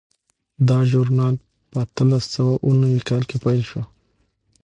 دا ژورنال په اتلس سوه اووه نوي کې پیل شو.